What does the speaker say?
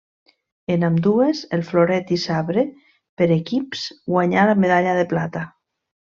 En ambdues, el floret i sabre per equips guanyà la medalla de plata.